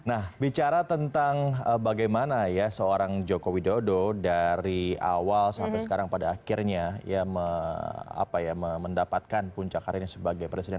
nah bicara tentang bagaimana ya seorang joko widodo dari awal sampai sekarang pada akhirnya ya mendapatkan puncak hari ini sebagai presiden